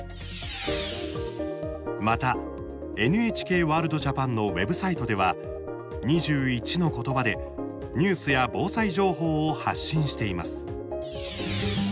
またＮＨＫワールドＪＡＰＡＮのウェブサイトでは２１のことばでニュースや防災情報を発信しています。